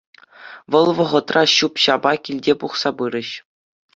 Вӑл вӑхӑтра ҫӳп-ҫапа килте пухса пырӗҫ.